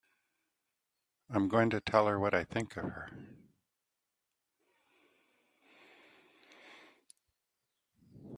I'm going to tell her what I think of her!